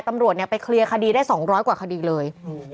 ตำรวจไปเคลียร์คดีได้๒๐๐กว่าคดีเลย